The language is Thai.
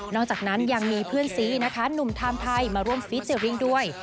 จากนั้นยังมีเพื่อนซีนะคะหนุ่มไทม์ไทยมาร่วมฟีเจอร์ริ่งด้วย